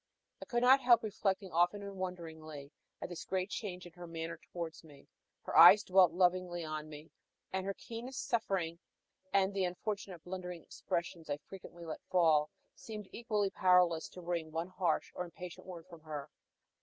I could not help reflecting often and wonderingly at this great change in her manner towards me. Her eyes dwelt lovingly on me, and her keenest suffering, and the unfortunate blundering expressions I frequently let fall, seemed equally powerless to wring one harsh or impatient word from her.